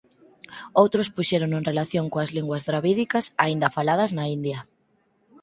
Outros puxérono en relación coas linguas dravídicas aínda faladas na India.